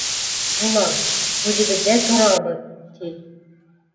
Була! һүҙебеҙҙә торабыҙ, ти...